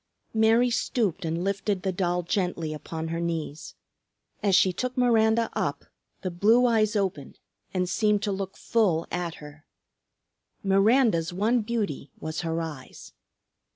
Mary stooped and lifted the doll gently upon her knees. As she took Miranda up, the blue eyes opened and seemed to look full at her. Miranda's one beauty was her eyes.